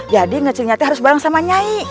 jadi ngecelingnya harus bareng sama nyai